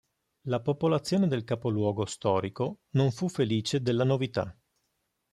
La popolazione del capoluogo storico non fu felice della novità.